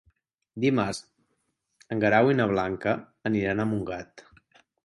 Dimarts en Guerau i na Blanca aniran a Montgat.